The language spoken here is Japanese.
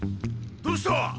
どうした？